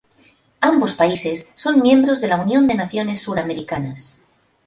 Ambos países son miembros de la Unión de Naciones Suramericanas.